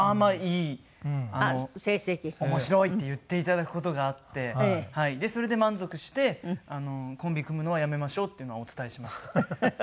「面白い」って言って頂く事があってでそれで満足して「コンビ組むのはやめましょう」っていうのはお伝えしました。